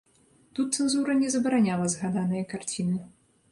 Тут цэнзура не забараняла згаданыя карціны.